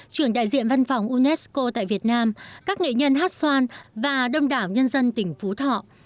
trưởng đại diện văn phòng unesco tại việt nam các nghệ nhân hát xoan và đông đảo nhân dân tỉnh phú thọ